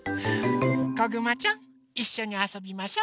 こぐまちゃんいっしょにあそびましょ。